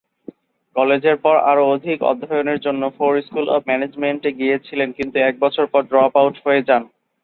কলেজের পর আরো অধিক অধ্যয়নের জন্য ফোর স্কুল অব ম্যানেজমেন্ট এ গিয়েছিলেন কিন্তু এক বছর পর ড্রপ আউট হয়ে যান।